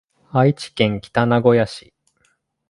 愛知県北名古屋市